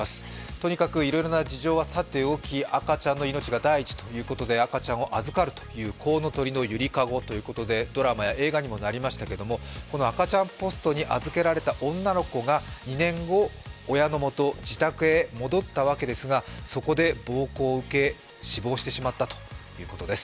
とにかくいろいろな事情はさておき赤ちゃんの命が第一ということで赤ちゃんを預かるという、こうのとりのゆりかごということでドラマや映画にもなりましたけどもこの赤ちゃんポストに預けられた女の子が２年後、親のもと自宅へ戻ったわけですがそこで暴行を受け死亡してしまったということです。